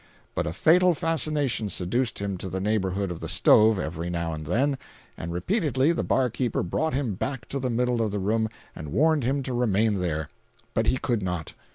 But a fatal fascination seduced him to the neighborhood of the stove every now and then, and repeatedly the bar keeper brought him back to the middle of the room and warned him to remain there. But he could not.